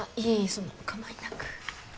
そんなお構いなく。